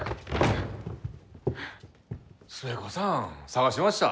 寿恵子さん捜しました。